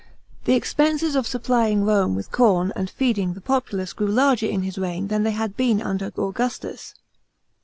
The expenses of supplying Rome with corn and feeding the populace grew larger in his reign than they had been under Augustus.